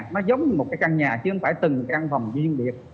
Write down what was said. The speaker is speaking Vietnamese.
nó giống như một căn nhà chứ không phải từng căn phòng riêng biệt